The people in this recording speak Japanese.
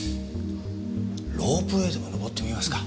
ロープウェイでも登ってみますか。